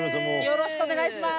よろしくお願いします！